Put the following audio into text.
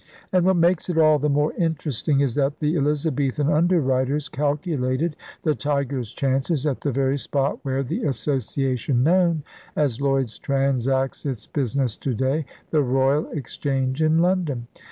And what makes it all the more interesting is that the Elizabethan underwriters calculated the Tiger*s chances at the very spot where the association known as Lloyd's transacts its business to day, the Royal Exchange in London.